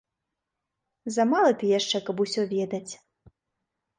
Замалы ты яшчэ, каб усё ведаць.